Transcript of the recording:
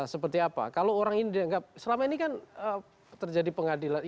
seperti apa kalau orang ini dianggap selama ini kan terjadi pengadilan